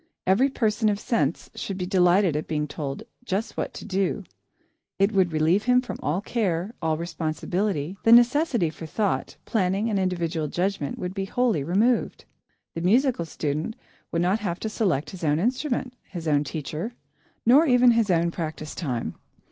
Every person of sense should be delighted at being told just what to do. It would relieve him from all care, all responsibility; the necessity for thought, planning, and individual judgment would be wholly removed. The musical student would not have to select his own instrument, his own teacher, nor even his own practice time.